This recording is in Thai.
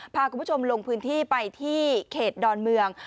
พาคุณผู้ชมลงพื้นที่ไปที่เขตดอนเมือง